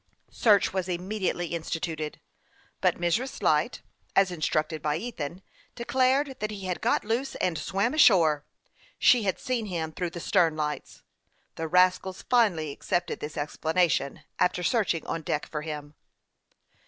Search was immediately instituted ; but Mrs. Light, as in structed by Ethan, declared that he had got loose and swam ashore ; she had seen him through the stern lights. The rascals finally accepted this ex planation, after searching on deck for him.